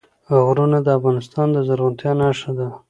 غرونه د افغانستان د زرغونتیا نښه ده.